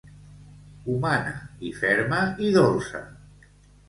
Humana i ferma i dolça.